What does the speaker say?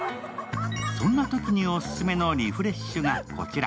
そんなときにオススメのリフレッシュがこちら。